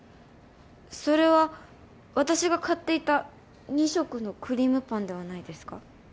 それは私が買っていた２色のクリームパンではないですか？